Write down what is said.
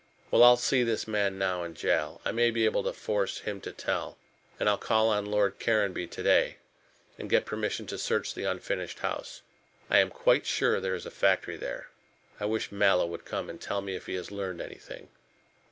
Well, I'll see this man now in jail. I may be able to force him to tell. And I'll call on Lord Caranby to day, and get permission to search the unfinished house. I am quite sure there is a factory there. I wish Mallow would come and tell me if he has learned anything."